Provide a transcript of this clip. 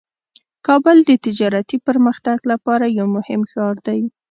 کابل د تجارتي پرمختګ لپاره یو مهم ښار دی.